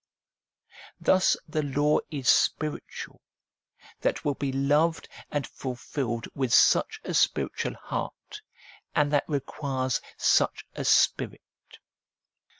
Thus the law is spiritual, that will be loved and fulfilled with such a spiritual heart, and that requires such a Spirit.